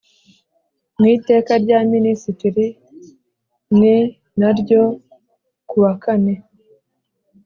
mu Iteka rya Minisitiri n ryo ku wakane